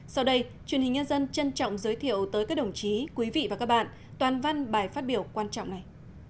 sau đây truyền hình nhân dân trân trọng giới thiệu tới các đồng chí quý vị và các bạn toàn văn bài phát biểu quan trọng này